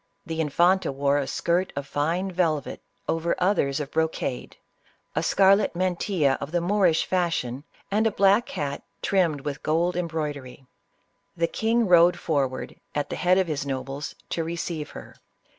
The infanta wore a skirt of fine velvet over others of brocade, a scarlet mantilla of the Moor ish fashion, and a black hat trimmed with gold em broidery. The king rode forward, at the head of his nobles, to receive her.